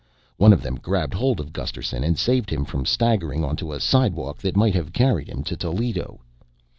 One of them grabbed hold of Gusterson and saved him from staggering onto a slidewalk that might have carried him to Toledo.